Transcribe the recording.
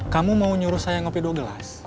kamu mau nyuruh saya ngopi dua gelas